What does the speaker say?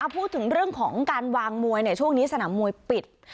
พูดถึงเรื่องของการวางมวยช่วงนี้สนามมวยปิด